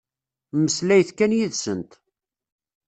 Mmeslayet kan yid-sent.